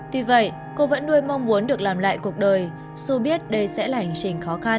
tuy vậy cô vẫn nuôi mong muốn được làm lại cuộc đời dù biết đây sẽ là hành trình khó khăn